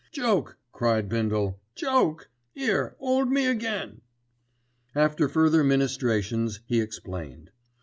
"Joke!" cried Bindle. "Joke! 'Ere 'old me again." After further ministrations he explained.